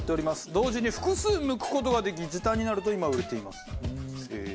同時に複数むく事ができ時短になると今売れています。